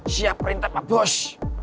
siap perintah pak bos